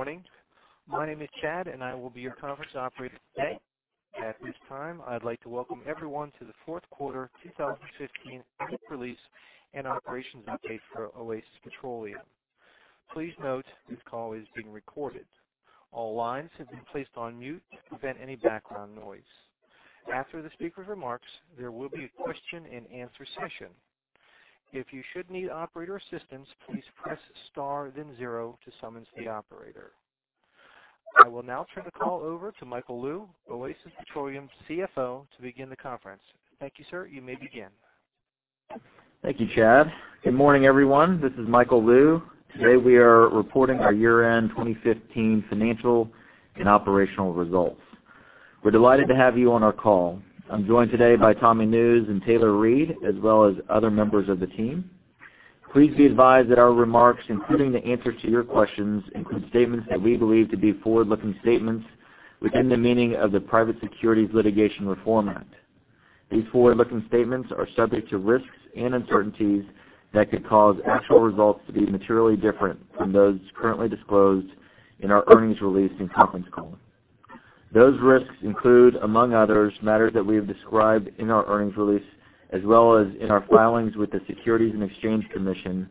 Good morning. My name is Chad. I will be your conference operator today. At this time, I'd like to welcome everyone to the fourth quarter 2015 earnings release and operations update for Oasis Petroleum. Please note this call is being recorded. All lines have been placed on mute to prevent any background noise. After the speaker's remarks, there will be a question and answer session. If you should need operator assistance, please press star then zero to summons the operator. I will now turn the call over to Michael Lou, Oasis Petroleum CFO, to begin the conference. Thank you, sir. You may begin. Thank you, Chad. Good morning, everyone. This is Michael Lou. Today, we are reporting our year-end 2015 financial and operational results. We're delighted to have you on our call. I'm joined today by Tommy Nusz and Taylor Reid, as well as other members of the team. Please be advised that our remarks, including the answer to your questions, include statements that we believe to be forward-looking statements within the meaning of the Private Securities Litigation Reform Act. These forward-looking statements are subject to risks and uncertainties that could cause actual results to be materially different from those currently disclosed in our earnings release and conference call. Those risks include, among others, matters that we have described in our earnings release, as well as in our filings with the Securities and Exchange Commission,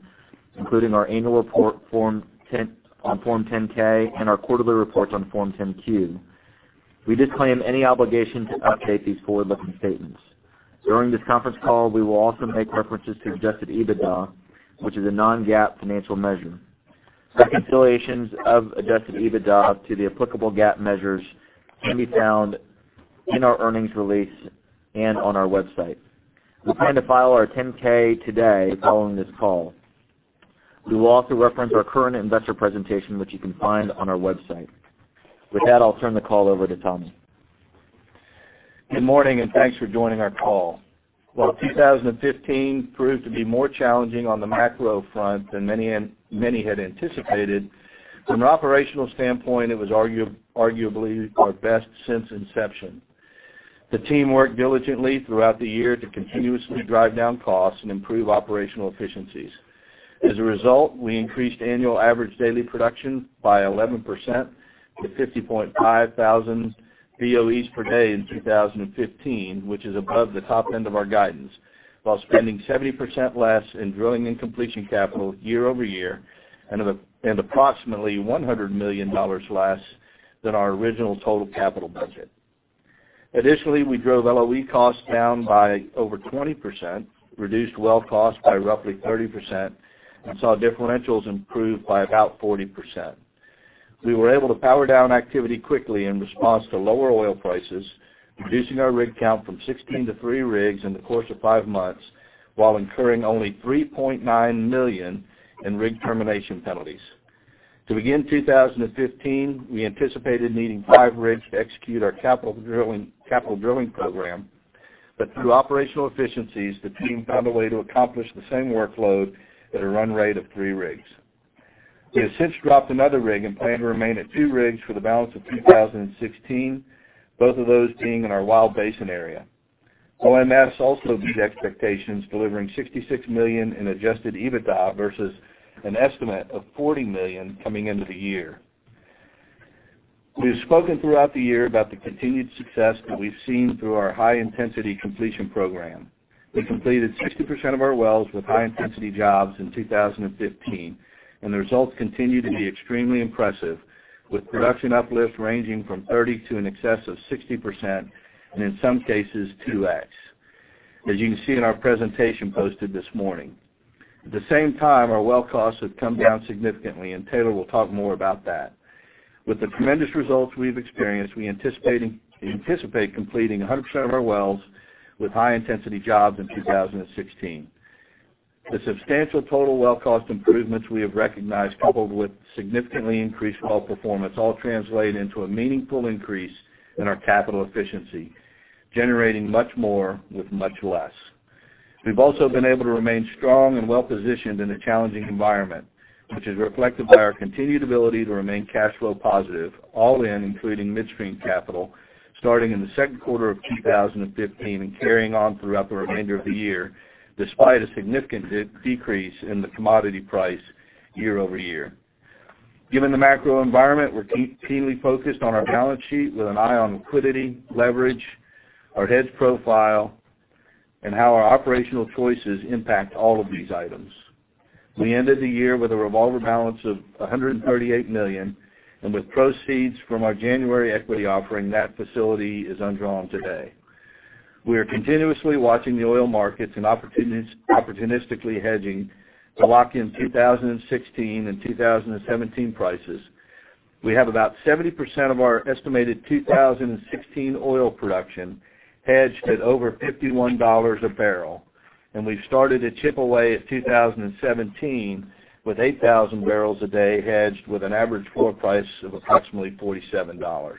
including our annual report on Form 10-K and our quarterly reports on Form 10-Q. We disclaim any obligation to update these forward-looking statements. During this conference call, we will also make references to Adjusted EBITDA, which is a non-GAAP financial measure. Reconciliations of Adjusted EBITDA to the applicable GAAP measures can be found in our earnings release and on our website. We plan to file our 10-K today following this call. We will also reference our current investor presentation, which you can find on our website. With that, I'll turn the call over to Tommy. Good morning. Thanks for joining our call. While 2015 proved to be more challenging on the macro front than many had anticipated, from an operational standpoint, it was arguably our best since inception. The team worked diligently throughout the year to continuously drive down costs and improve operational efficiencies. As a result, we increased annual average daily production by 11% to 50.5 thousand BOEs per day in 2015, which is above the top end of our guidance, while spending 70% less in drilling and completion capital year-over-year and approximately $100 million less than our original total capital budget. Additionally, we drove LOE costs down by over 20%, reduced well costs by roughly 30%, and saw differentials improve by about 40%. We were able to power down activity quickly in response to lower oil prices, reducing our rig count from 16 to three rigs in the course of five months, while incurring only $3.9 million in rig termination penalties. To begin 2015, we anticipated needing five rigs to execute our capital drilling program, through operational efficiencies, the team found a way to accomplish the same workload at a run rate of three rigs. We have since dropped another rig and plan to remain at two rigs for the balance of 2016, both of those being in our Wild Basin area. OMS also beat expectations, delivering $66 million in Adjusted EBITDA versus an estimate of $40 million coming into the year. We have spoken throughout the year about the continued success that we've seen through our high-intensity completion program. We completed 60% of our wells with high-intensity jobs in 2015, the results continue to be extremely impressive, with production uplift ranging from 30% to in excess of 60%, in some cases, 2x, as you can see in our presentation posted this morning. At the same time, our well costs have come down significantly, Taylor will talk more about that. With the tremendous results we've experienced, we anticipate completing 100% of our wells with high-intensity jobs in 2016. The substantial total well cost improvements we have recognized, coupled with significantly increased well performance, all translate into a meaningful increase in our capital efficiency, generating much more with much less. We've also been able to remain strong and well-positioned in a challenging environment, which is reflected by our continued ability to remain cash flow positive all in, including midstream capital, starting in the second quarter of 2015 and carrying on throughout the remainder of the year, despite a significant decrease in the commodity price year-over-year. Given the macro environment, we're keenly focused on our balance sheet with an eye on liquidity, leverage, our hedge profile, and how our operational choices impact all of these items. We ended the year with a revolver balance of $138 million, with proceeds from our January equity offering, that facility is undrawn today. We are continuously watching the oil markets and opportunistically hedging to lock in 2016 and 2017 prices. We have about 70% of our estimated 2016 oil production hedged at over $51 a barrel, we've started to chip away at 2017 with 8,000 barrels a day hedged with an average floor price of approximately $47.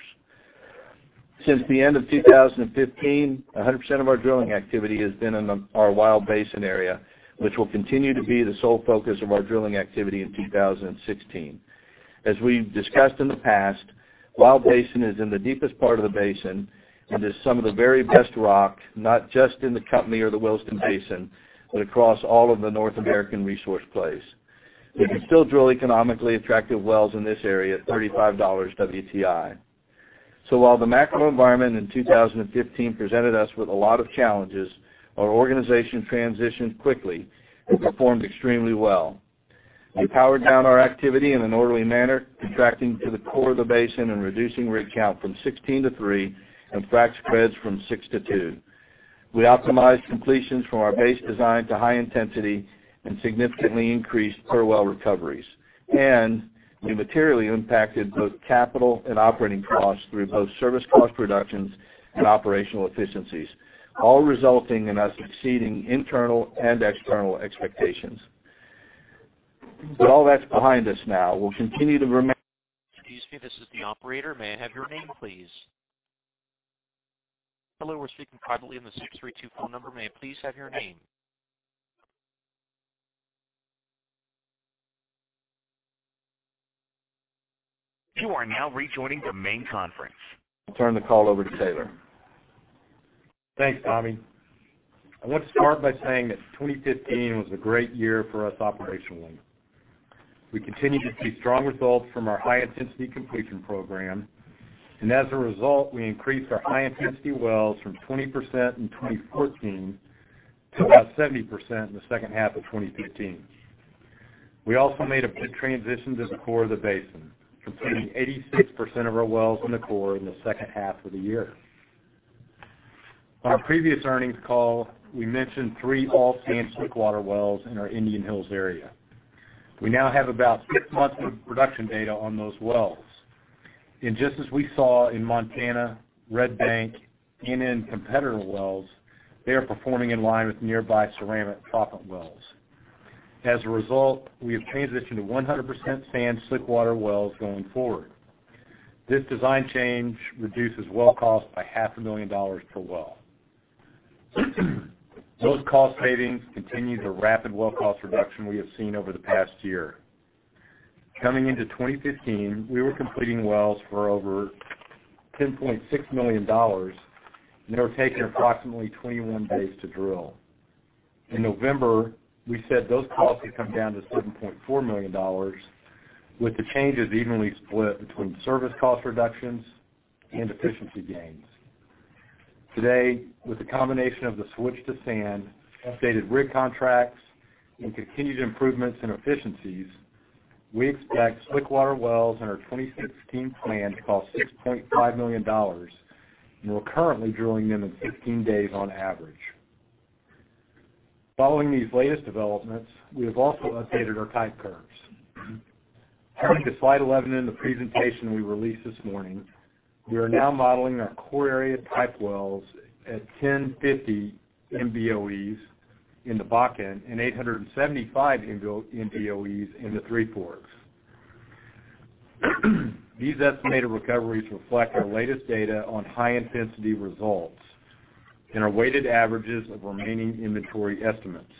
Since the end of 2015, 100% of our drilling activity has been in our Wild Basin area, which will continue to be the sole focus of our drilling activity in 2016. As we've discussed in the past, Wild Basin is in the deepest part of the basin and is some of the very best rock, not just in the company or the Williston Basin, but across all of the North American resource plays. We can still drill economically attractive wells in this area at $35 WTI. While the macro environment in 2015 presented us with a lot of challenges, our organization transitioned quickly and performed extremely well. We powered down our activity in an orderly manner, contracting to the core of the basin and reducing rig count from 16 to three and frac spreads from six to two. We optimized completions from our base design to high intensity and significantly increased per well recoveries. We materially impacted both capital and operating costs through both service cost reductions and operational efficiencies, all resulting in us exceeding internal and external expectations. All that's behind us now. We'll continue to remain. Excuse me, this is the operator. May I have your name, please? Hello, we're speaking privately on the 632 phone number. May I please have your name? You are now rejoining the main conference. I'll turn the call over to Taylor. Thanks, Tommy. I want to start by saying that 2015 was a great year for us operationally. We continued to see strong results from our high-intensity completion program, as a result, we increased our high-intensity wells from 20% in 2014 to about 70% in the second half of 2015. We also made a good transition to the core of the basin, completing 86% of our wells in the core in the second half of the year. On our previous earnings call, we mentioned three all sand slick water wells in our Indian Hills area. We now have about six months of production data on those wells. Just as we saw in Montana, Red Bank, and in competitor wells, they are performing in line with nearby ceramic proppant wells. As a result, we have transitioned to 100% sand slick water wells going forward. This design change reduces well cost by half a million dollars per well. Those cost savings continue the rapid well cost reduction we have seen over the past year. Coming into 2015, we were completing wells for over $10.6 million, and they were taking approximately 21 days to drill. In November, we said those costs had come down to $7.4 million, with the changes evenly split between service cost reductions and efficiency gains. Today, with the combination of the switch to sand, updated rig contracts, and continued improvements in efficiencies, we expect slickwater wells in our 2016 plan to cost $6.5 million, and we're currently drilling them in 15 days on average. Following these latest developments, we have also updated our type curves. Turning to slide 11 in the presentation we released this morning, we are now modeling our core area type wells at 1,050 MBoes in the Bakken and 875 MBoes in the Three Forks. These estimated recoveries reflect our latest data on high-intensity results and our weighted averages of remaining inventory estimates.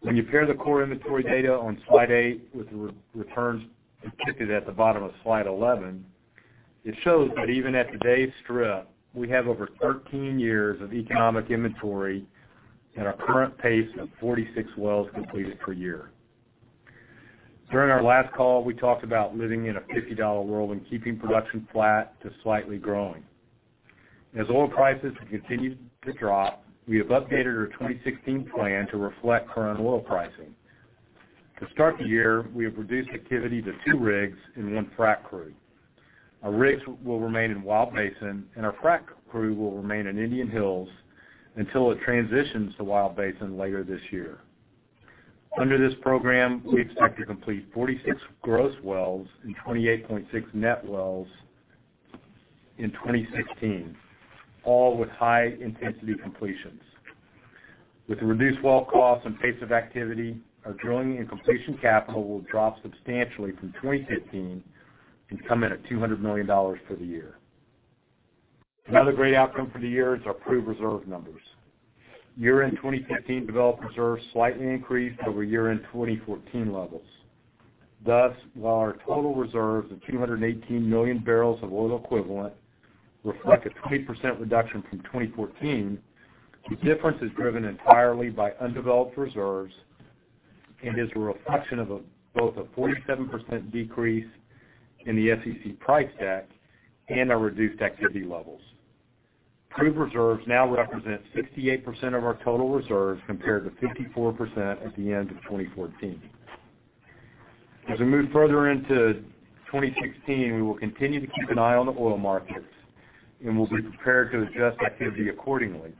When you pair the core inventory data on slide eight with the returns depicted at the bottom of slide 11, it shows that even at today's strip, we have over 13 years of economic inventory at our current pace of 46 wells completed per year. During our last call, we talked about living in a $50 world and keeping production flat to slightly growing. As oil prices continue to drop, we have updated our 2016 plan to reflect current oil pricing. To start the year, we have reduced activity to two rigs and one frac crew. Our rigs will remain in Wild Basin, and our frac crew will remain in Indian Hills until it transitions to Wild Basin later this year. Under this program, we expect to complete 46 gross wells and 28.6 net wells in 2016, all with high-intensity completions. With the reduced well cost and pace of activity, our drilling and completion capital will drop substantially from 2015 and come in at $200 million for the year. Another great outcome for the year is our proved reserve numbers. Year-end 2015 developed reserves slightly increased over year-end 2014 levels. Thus, while our total reserves of 218 million barrels of oil equivalent reflect a 20% reduction from 2014, the difference is driven entirely by undeveloped reserves and is a reflection of both a 47% decrease in the SEC price deck and our reduced activity levels. Proved reserves now represent 68% of our total reserves, compared to 54% at the end of 2014. As we move further into 2016, we will continue to keep an eye on the oil markets, and we'll be prepared to adjust activity accordingly.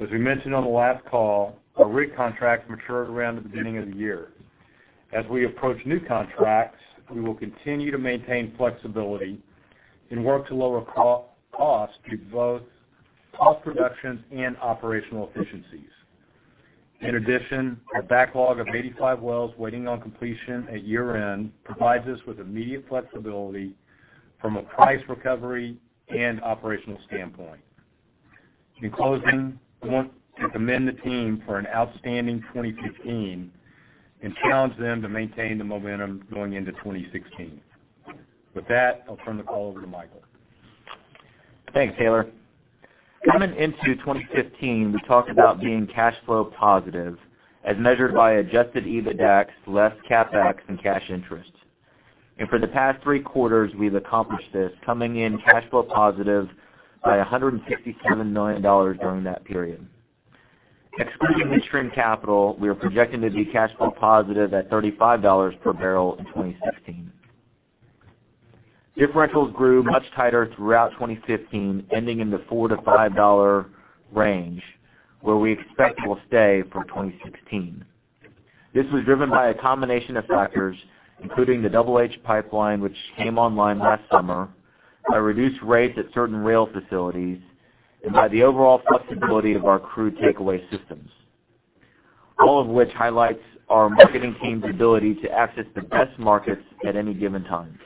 As we mentioned on the last call, our rig contracts mature around the beginning of the year. As we approach new contracts, we will continue to maintain flexibility and work to lower costs through both cost reductions and operational efficiencies. In addition, our backlog of 85 wells waiting on completion at year-end provides us with immediate flexibility from a price recovery and operational standpoint. In closing, I want to commend the team for an outstanding 2015 and challenge them to maintain the momentum going into 2016. With that, I'll turn the call over to Michael. Thanks, Taylor. Coming into 2015, we talked about being cash flow positive as measured by Adjusted EBITDAX, less CapEx and cash interest. For the past three quarters, we've accomplished this, coming in cash flow positive by $167 million during that period. Excluding the trim capital, we are projecting to be cash flow positive at $35 per barrel in 2016. Differentials grew much tighter throughout 2015, ending in the $4 to $5 range, where we expect it will stay for 2016. This was driven by a combination of factors, including the Double H Pipeline, which came online last summer, by reduced rates at certain rail facilities, and by the overall flexibility of our crude takeaway systems. All of which highlights our marketing team's ability to access the best markets at any given time.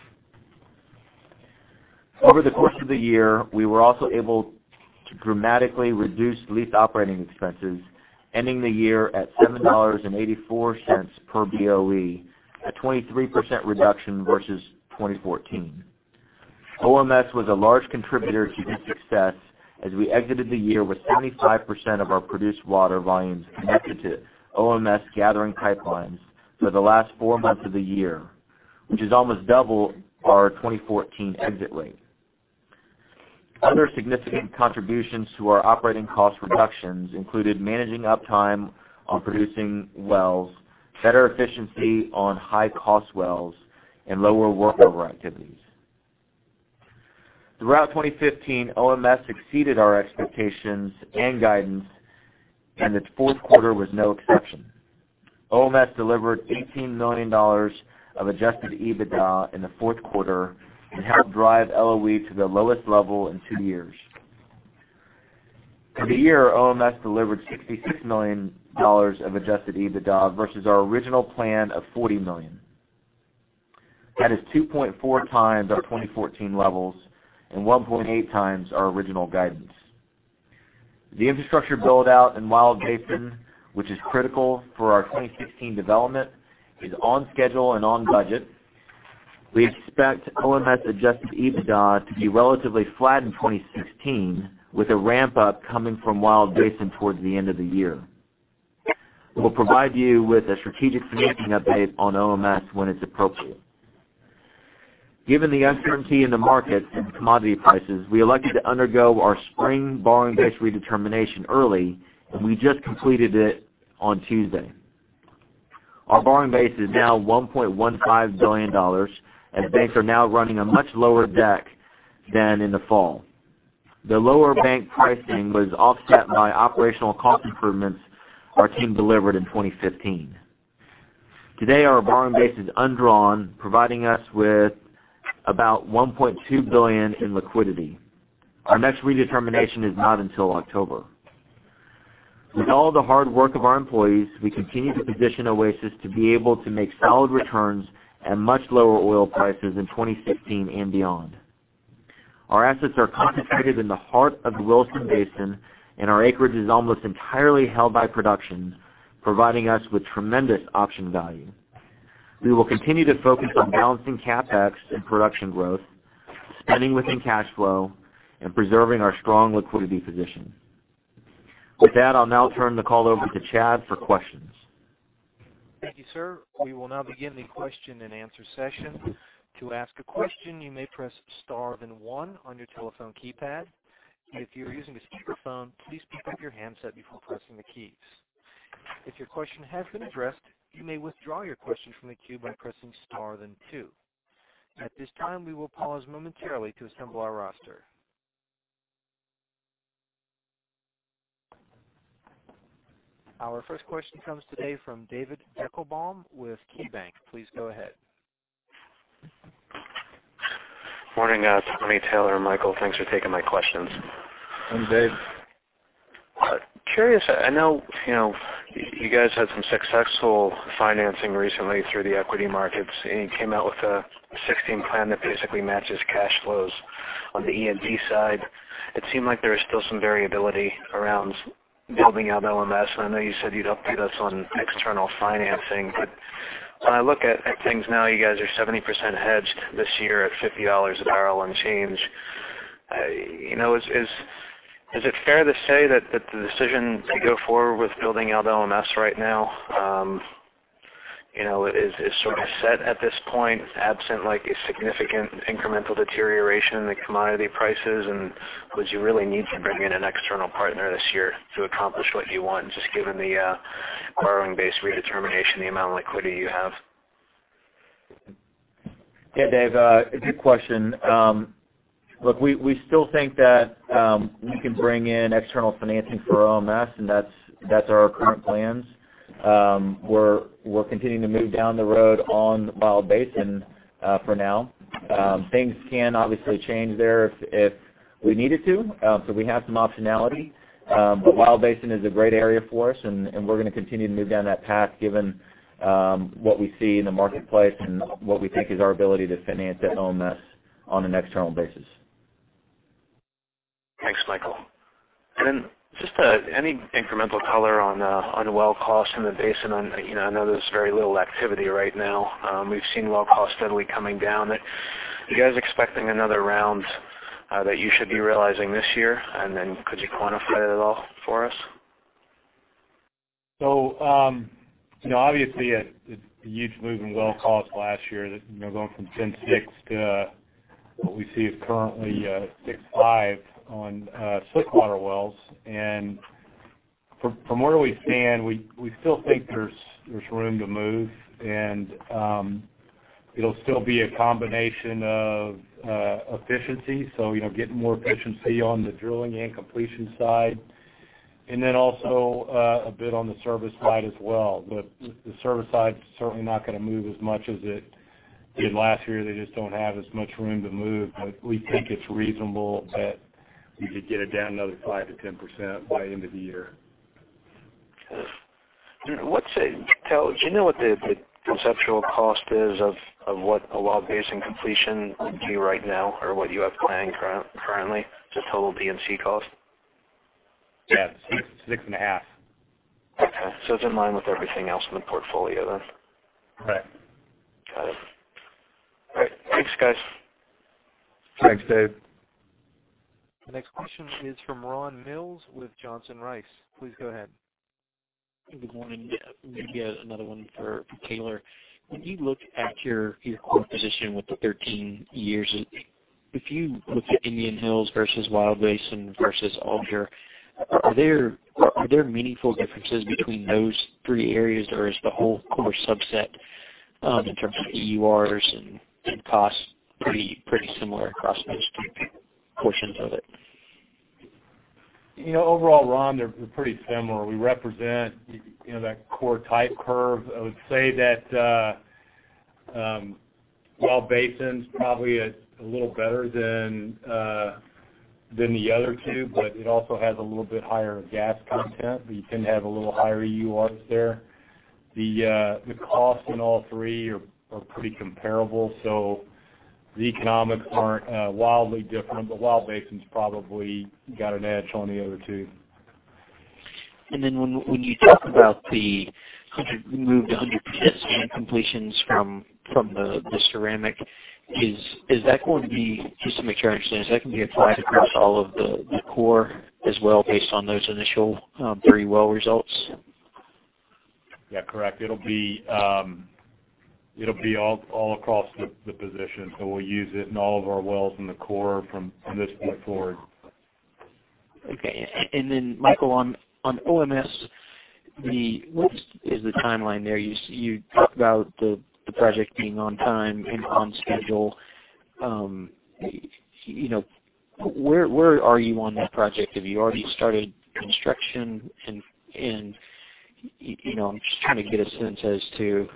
Over the course of the year, we were also able to dramatically reduce lease operating expenses, ending the year at $7.84 per BOE, a 23% reduction versus 2014. OMS was a large contributor to this success as we exited the year with 75% of our produced water volumes connected to OMS gathering pipelines for the last four months of the year, which is almost double our 2014 exit rate. Other significant contributions to our operating cost reductions included managing uptime on producing wells, better efficiency on high-cost wells, and lower workover activities. Throughout 2015, OMS exceeded our expectations and guidance, its fourth quarter was no exception. OMS delivered $18 million of Adjusted EBITDA in the fourth quarter and helped drive LOE to the lowest level in two years. For the year, OMS delivered $66 million of Adjusted EBITDA versus our original plan of $40 million. That is 2.4 times our 2014 levels and 1.8 times our original guidance. The infrastructure build out in Wild Basin, which is critical for our 2016 development, is on schedule and on budget. We expect OMS Adjusted EBITDA to be relatively flat in 2016, with a ramp up coming from Wild Basin towards the end of the year. We'll provide you with a strategic financing update on OMS when it's appropriate. Given the uncertainty in the market and commodity prices, we elected to undergo our spring borrowing base redetermination early, we just completed it on Tuesday. Our borrowing base is now $1.15 billion, and banks are now running a much lower deck than in the fall. The lower bank pricing was offset by operational cost improvements our team delivered in 2015. Today, our borrowing base is undrawn, providing us with about $1.2 billion in liquidity. Our next redetermination is not until October. With all the hard work of our employees, we continue to position Oasis to be able to make solid returns at much lower oil prices in 2016 and beyond. Our assets are concentrated in the heart of the Williston Basin, and our acreage is almost entirely held by production, providing us with tremendous option value. We will continue to focus on balancing CapEx and production growth, spending within cash flow, and preserving our strong liquidity position. With that, I'll now turn the call over to Chad for questions. Thank you, sir. We will now begin the question and answer session. To ask a question, you may press star then 1 on your telephone keypad. If you are using a speakerphone, please pick up your handset before pressing the keys. If your question has been addressed, you may withdraw your question from the queue by pressing star then 2. At this time, we will pause momentarily to assemble our roster. Our first question comes today from David Deckelbaum with KeyBank. Please go ahead. Morning, Tommy, Taylor, Michael. Thanks for taking my questions. Morning, Dave. Curious, I know you guys had some successful financing recently through the equity markets, and you came out with a 2016 plan that basically matches cash flows on the E&P side. It seemed like there was still some variability around building out OMS. I know you said you'd update us on external financing, but when I look at things now, you guys are 70% hedged this year at $50 a barrel and change. Is it fair to say that the decision to go forward with building out OMS right now is sort of set at this point, absent a significant incremental deterioration in the commodity prices? Would you really need to bring in an external partner this year to accomplish what you want, just given the borrowing base redetermination, the amount of liquidity you have? Dave, a good question. Look, we still think that we can bring in external financing for OMS, and that's our current plans. We're continuing to move down the road on Wild Basin for now. Things can obviously change there if we need it to. We have some optionality. Wild Basin is a great area for us, and we're going to continue to move down that path given what we see in the marketplace and what we think is our ability to finance at OMS on an external basis. Just any incremental color on well cost in the basin. I know there's very little activity right now. We've seen well cost steadily coming down. Are you guys expecting another round that you should be realizing this year? Could you quantify that at all for us? Obviously, a huge move in well cost last year, going from 10.6 to what we see is currently 6.5 on slickwater wells. From where we stand, we still think there's room to move, and it'll still be a combination of efficiency, so getting more efficiency on the drilling and completion side, and then also a bit on the service side as well. The service side's certainly not going to move as much as it did last year. They just don't have as much room to move. We think it's reasonable that we could get it down another 5%-10% by end of the year. Do you know what the conceptual cost is of what a Wild Basin completion would be right now, or what you have planned currently, just total D and C cost? Yeah. 6.5. Okay. It's in line with everything else in the portfolio, then. Correct. Got it. All right. Thanks, guys. Thanks, Dave. The next question is from Ron Mills with Johnson Rice. Please go ahead. Good morning. Maybe another one for Taylor. When you look at your core position with the 13 years, if you look at Indian Hills versus Wild Basin versus Alger, are there meaningful differences between those three areas, or is the whole core subset in terms of EURs and cost pretty similar across most portions of it? Overall, Ron, they're pretty similar. We represent that core type curve. I would say that Wild Basin's probably a little better than the other two, it also has a little bit higher gas content, you tend to have a little higher EURs there. The cost in all three are pretty comparable, the economics aren't wildly different, Wild Basin's probably got an edge on the other two. When you talk about the move to 100% completions from the ceramic, just to make sure I understand, is that going to be applied across all of the core as well based on those initial three well results? Yeah, correct. It'll be all across the position. We'll use it in all of our wells in the core from this point forward. Okay. Michael, on OMS, what is the timeline there? You talked about the project being on time and on schedule. Where are you on that project? Have you already started construction? I'm just trying to get a sense as to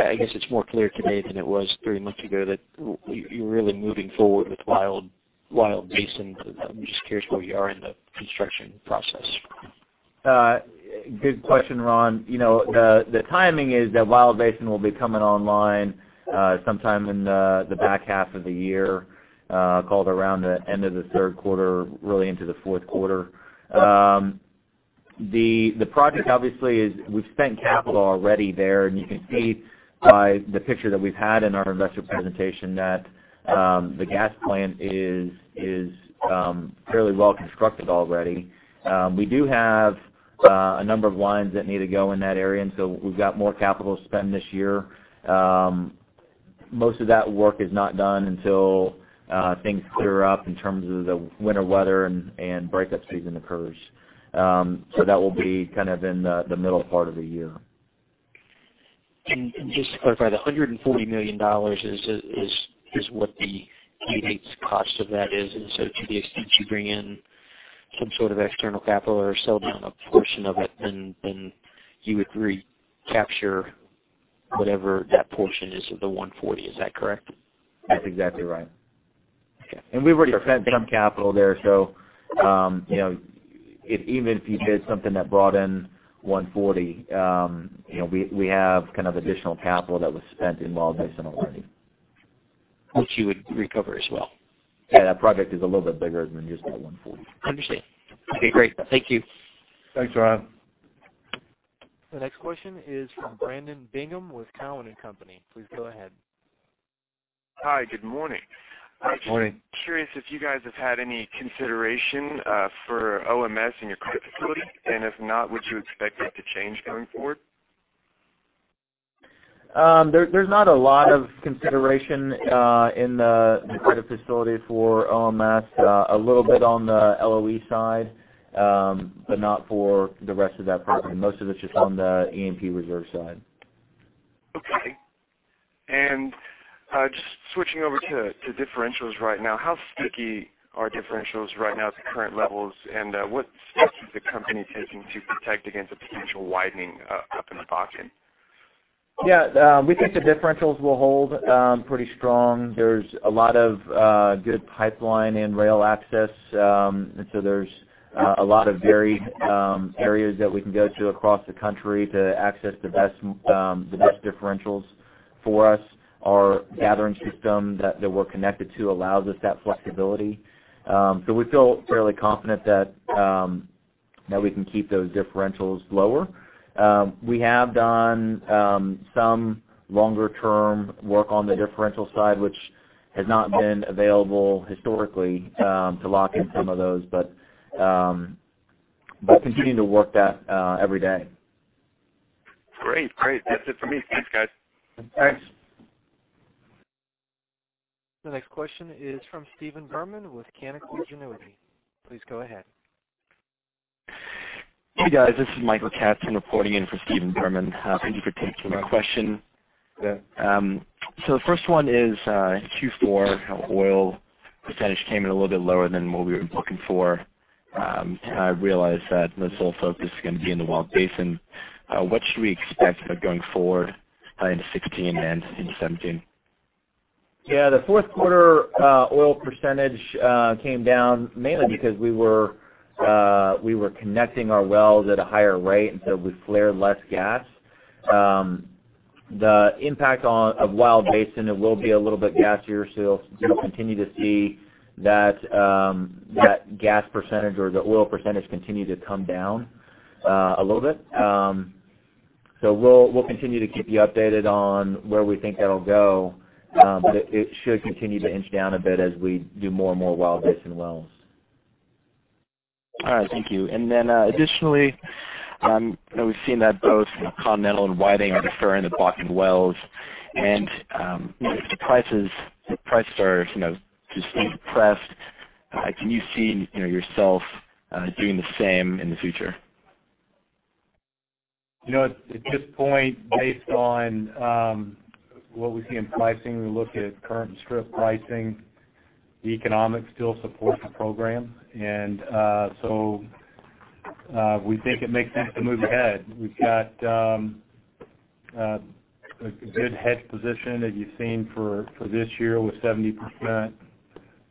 I guess it's more clear today than it was three months ago that you're really moving forward with Wild Basin. I'm just curious where you are in the construction process. Good question, Ron. The timing is that Wild Basin will be coming online sometime in the back half of the year, call it around the end of the third quarter, really into the fourth quarter. The project, obviously, we've spent capital already there, and you can see by the picture that we've had in our investor presentation that the gas plant is fairly well constructed already. We do have a number of lines that need to go in that area, we've got more capital to spend this year. Most of that work is not done until things clear up in terms of the winter weather and breakup season occurs. That will be in the middle part of the year. Just to clarify, the $140 million is what the unique cost of that is, to the extent you bring in some sort of external capital or sell down a portion of it, you would recapture whatever that portion is of the $140, is that correct? That's exactly right. Okay. We've already spent some capital there, so even if you did something that brought in $140, we have additional capital that was spent in Wild Basin already. Which you would recover as well. Yeah, that project is a little bit bigger than just that $140. Understand. Okay, great. Thank you. Thanks, Ron. The next question is from Brandon Bingham with Cowen and Company. Please go ahead. Hi, good morning. Good morning. Just curious if you guys have had any consideration for OMS in your credit facility, and if not, would you expect that to change going forward? There's not a lot of consideration in the credit facility for OMS. A little bit on the LOE side, but not for the rest of that program. Most of it's just on the E&P reserve side. Okay. Just switching over to differentials right now, how sticky are differentials right now at the current levels, and what steps is the company taking to protect against a potential widening up in the Bakken? Yeah. We think the differentials will hold pretty strong. There's a lot of good pipeline and rail access, and so there's a lot of varied areas that we can go to across the country to access the best differentials. For us, our gathering system that we're connected to allows us that flexibility. We feel fairly confident that we can keep those differentials lower. We have done some longer-term work on the differential side, which has not been available historically to lock in some of those, but continuing to work that every day. Great. That's it for me. Thanks, guys. Thanks. The next question is from Steven Berman with Canaccord Genuity. Please go ahead. Hey, guys. This is [Michael Katz] reporting in for Steven Berman. Thank you for taking my question. Yeah. The first one is, in Q4, oil percentage came in a little bit lower than what we were looking for. I realize that the sole focus is going to be in the Williston Basin. What should we expect going forward in 2016 and in 2017? Yeah. The fourth quarter oil percentage came down mainly because we were connecting our wells at a higher rate, we flared less gas. The impact of Williston Basin, it will be a little bit gassier, you'll continue to see that gas percentage or the oil percentage continue to come down a little bit. We'll continue to keep you updated on where we think that'll go, but it should continue to inch down a bit as we do more and more Williston Basin wells. All right. Thank you. Additionally, I know we've seen that both Continental and Whiting are deferring the blocking wells, if the prices are just staying depressed, can you see yourself doing the same in the future? At this point, based on what we see in pricing, we look at current strip pricing, the economics still support the program. We think it makes sense to move ahead. We've got a good hedge position, as you've seen, for this year with 70%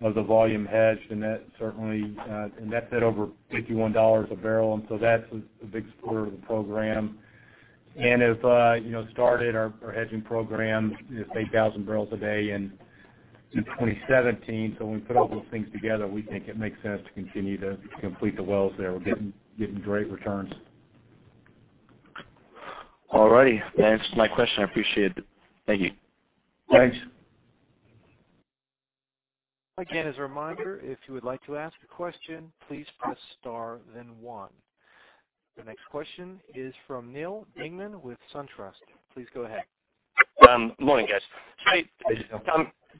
of the volume hedged, that's at over $51 a barrel, that's a big supporter of the program. Have started our hedging program is 8,000 barrels a day in 2017. When we put all those things together, we think it makes sense to continue to complete the wells there. We're getting great returns. All righty. That answers my question. I appreciate it. Thank you. Thanks. Again, as a reminder, if you would like to ask a question, please press star then one. The next question is from Neal Dingmann with SunTrust. Please go ahead. Morning, guys. Hey, Neal.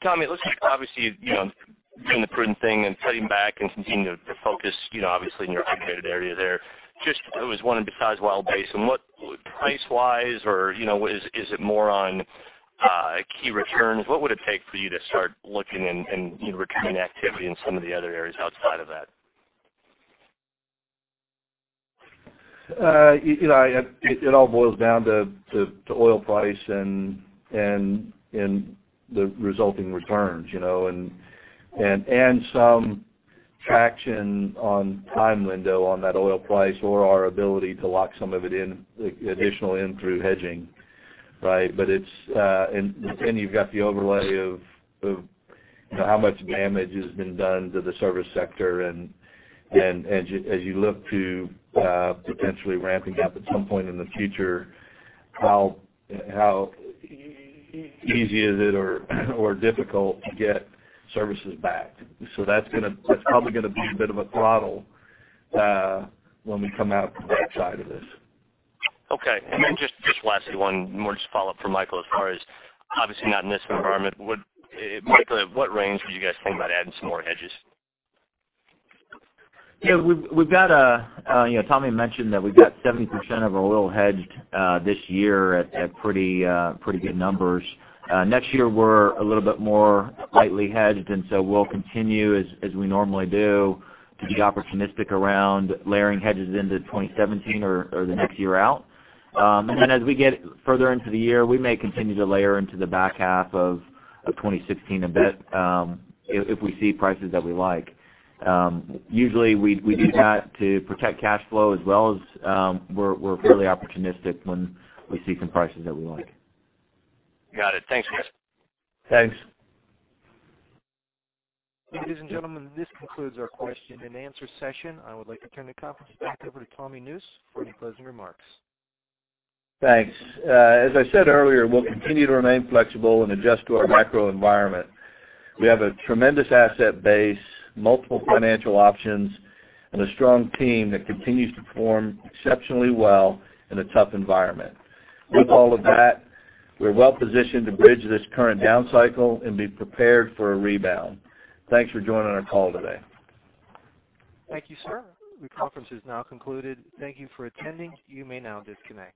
Tommy, it looks like obviously, doing the prudent thing and cutting back and continuing to focus, obviously, in your permitted area there. Just I was wondering, besides Wild Basin, what price-wise or is it more on key returns? What would it take for you to start looking and returning activity in some of the other areas outside of that? It all boils down to oil price and the resulting returns, and some traction on time window on that oil price or our ability to lock some of it in, additionally in through hedging, right? Then you've got the overlay of how much damage has been done to the service sector and as you look to potentially ramping up at some point in the future, how easy is it or difficult to get services back. That's probably going to be a bit of a throttle when we come out the other side of this. Okay. Then just lastly, one more just follow-up from Michael as far as, obviously not in this environment, Michael, at what range would you guys think about adding some more hedges? Yeah. Tommy mentioned that we've got 70% of our oil hedged this year at pretty good numbers. Next year, we're a little bit more lightly hedged. We'll continue as we normally do, to be opportunistic around layering hedges into 2017 or the next year out. Then as we get further into the year, we may continue to layer into the back half of 2016 a bit, if we see prices that we like. Usually, we do that to protect cash flow as well as we're fairly opportunistic when we see some prices that we like. Got it. Thanks, guys. Thanks. Ladies and gentlemen, this concludes our question and answer session. I would like to turn the conference back over to Tommy Nusz for any closing remarks. Thanks. As I said earlier, we'll continue to remain flexible and adjust to our macro environment. We have a tremendous asset base, multiple financial options, and a strong team that continues to perform exceptionally well in a tough environment. With all of that, we're well-positioned to bridge this current down cycle and be prepared for a rebound. Thanks for joining our call today. Thank you, sir. The conference is now concluded. Thank you for attending. You may now disconnect.